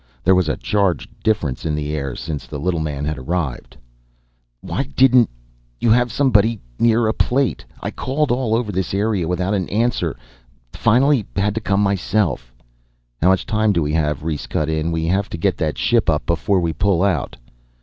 There was a charged difference in the air since the little man had arrived. "Why didn't ... you have somebody near a plate? I called all over this area without an answer. Finally ... had to come myself " "How much time do we have?" Rhes cut in. "We have to get that ship up before we pull out."